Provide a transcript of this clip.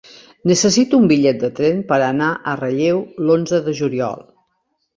Necessito un bitllet de tren per anar a Relleu l'onze de juliol.